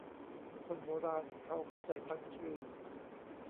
คนโบราณเค้าเข้าใจตั้งชื่อ